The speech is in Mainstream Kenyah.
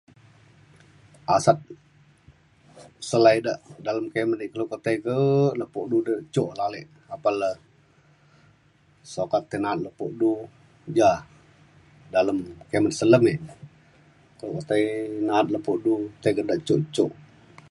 asep selai de dalem kimet e kelo ketai ke lepo du de cuk ale apan le sukat tai na’at lepo du ja dalem kimet selem e. kelo tai na’at lepo du tai ke da cuk cuk